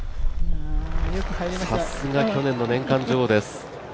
さすが去年の年間女王です。